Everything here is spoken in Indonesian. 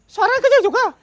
karena kecil juga